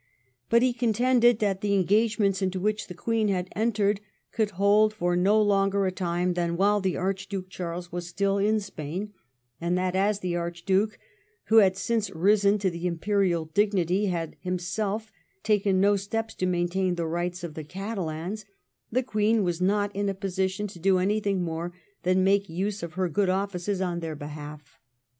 But he contended that the engage ments into which the Queen had entered could hold for no longer a time than while the Archduke Charles was still in Spain, and that as the Archduke, who had since risen to the imperial dignity, had himself taken no steps to maintain the rights of the Catalans, the Queen was not in a position to do anything more than make use of her good offices on their behalf.